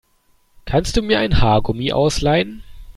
Kannst du mir ein Haargummi ausleihen?